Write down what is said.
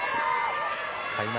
開幕